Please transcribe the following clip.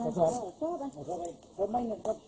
เอาครับเอาครับ